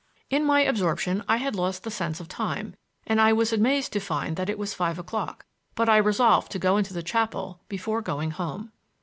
In my absorption I had lost the sense of time, and I was amazed to find that it was five o'clock, but I resolved to go into the chapel before going home.